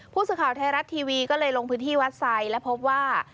ผู้สื่อข่าวไทยรัฐทีวีก็เลยลงพื้นที่วัดไซดและพบว่า